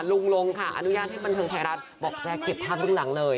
ลงค่ะอนุญาตให้บันเทิงไทยรัฐบอกแจ๊เก็บภาพเบื้องหลังเลย